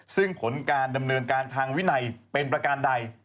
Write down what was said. ซึ่งผลการดำเนินการทางวินัยเป็นประการใด